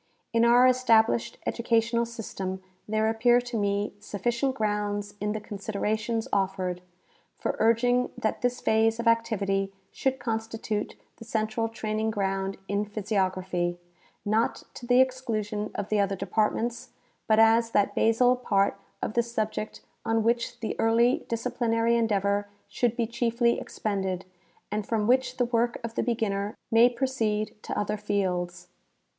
In our established educational system there appear to me sufficient grounds in the considerations offered, for urging that this phase of activity should constitute the central training ground in physiography, not to the exclusion of the other departments, but as that basal part of the subject on which the early disciplinary endeavor should be chiefly ex pended and from which the work of the beginner may proceed to other fields.